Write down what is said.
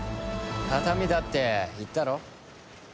形見だって言ったろ？